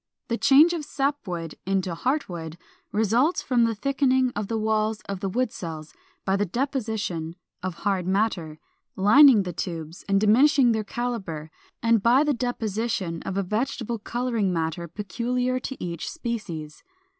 The change of sap wood into heart wood results from the thickening of the walls of the wood cells by the deposition of hard matter, lining the tubes and diminishing their calibre; and by the deposition of a vegetable coloring matter peculiar to each species.